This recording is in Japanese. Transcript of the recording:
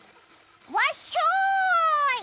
わっしょい！